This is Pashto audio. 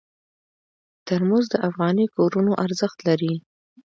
ترموز د افغاني کورونو ارزښت لري.